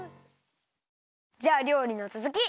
じゃありょうりのつづき！